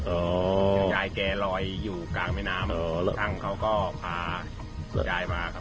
อย่างยายแกรอยอยู่กลางแม่น้ำช่างเขาก็พายายมาครับ